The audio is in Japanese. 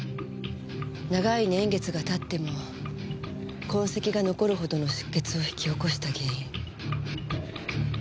長い年月が経っても痕跡が残るほどの出血を引き起こした原因。